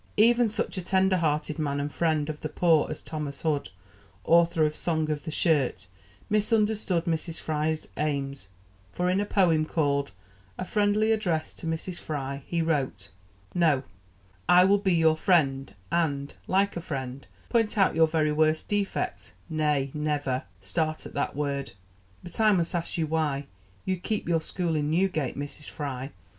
Even such a tender hearted man and friend of the poor as Thomas Hood, author of "Song of the Shirt," misunderstood Mrs Fry's aims, for in a poem called "A Friendly Address to Mrs Fry," he wrote: No I will be your friend and, like a friend, Point out your very worst defect Nay, never Start at that word! But I must ask you why You keep your school in Newgate, Mrs Fry?